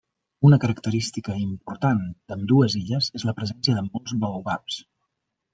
Una característica important d'ambdues illes és la presència de molts baobabs.